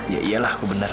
yaiyalah aku bener